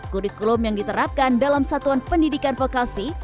kurikulum yang diterapkan dalam satuan pendidikan vokasi